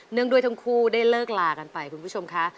งด้วยทั้งคู่ได้เลิกลากันไปคุณผู้ชมค่ะ